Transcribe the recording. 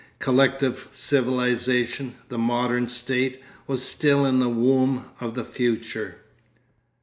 Collective civilisation, the 'Modern State,' was still in the womb of the future....